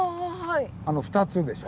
あの２つでしょ？